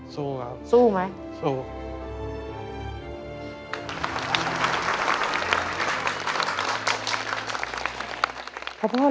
สู้ครับสู้ครับสู้ไหมสู้